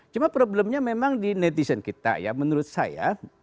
cuma problemnya memang di netizen kita ya menurut saya